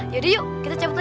terima kasih pak